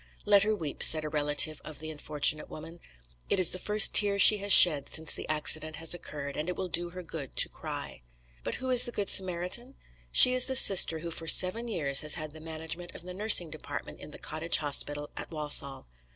"Let her weep," said a relative of the unfortunate woman; "it is the first tear she has shed since the accident has occurred, and it will do her good to cry." But who is the good Samaritan? She is the sister who for seven years has had the management of the nursing department in the cottage hospital at Walsall.